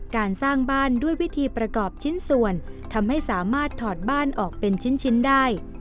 การสร้างบ้านด้วยวิธีประกอบชิ้นส่วนทำให้สามารถถอดบ้านออกเป็นชิ้นได้